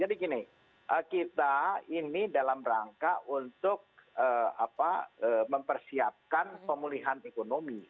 jadi gini kita ini dalam rangka untuk mempersiapkan pemulihan ekonomi